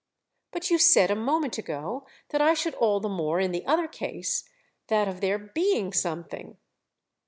"But you said a moment ago that I should all the more in the other case—that of there being something!"